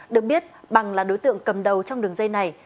được biết bằng là đối tượng cầm đầu trong đường dây này